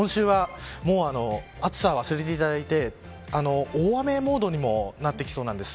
今週は暑さを忘れていただいて大雨モードにもなってきそうなんです。